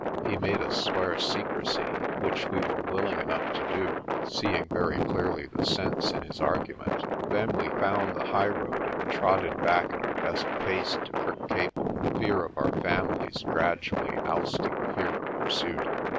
He made us swear secrecy, which we were willing enough to do, seeing very clearly the sense in his argument. Then we found the highroad and trotted back at our best pace to Kirkcaple, fear of our families gradually ousting fear of pursuit.